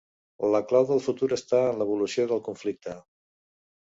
La clau del futur està en l’evolució del conflicte.